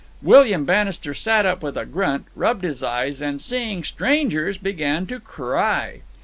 William Bannister sat up with a grunt, rubbed his eyes, and, seeing strangers, began to cry.